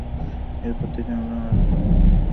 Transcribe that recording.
এর পর থেকে আমরা আর তালা বন্ধ করিনি।